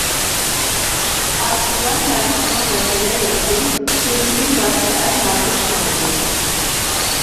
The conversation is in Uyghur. ئاشىقلار مەشۇقنىڭ ۋەسلىگە يەتسۇن، كۈيلىسۇن بارچە ئەل نازۇك كۆڭۈلنى.